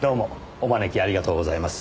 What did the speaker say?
お招きありがとうございます。